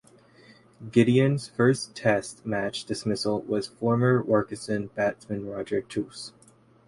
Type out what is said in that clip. Giddins' first Test match dismissal was former-Warwickshire batsman Roger Twose.